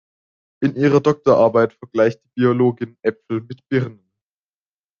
In ihrer Doktorarbeit vergleicht die Biologin Äpfel mit Birnen.